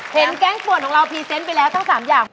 เห็นแก๊งป่วนของเราพรีเซนต์ไปแล้วทั้ง๓อย่าง